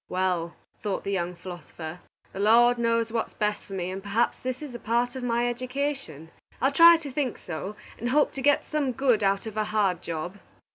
"Well," thought the young philosopher, "the Lord knows what is best for me, and perhaps this is a part of my education. I'll try to think so, and hope to get some good out of a hard job."